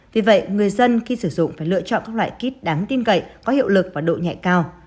vì vậy người dân khi sử dụng phải lựa chọn các loại kit đáng tin cậy có hiệu lực và độ nhẹ cao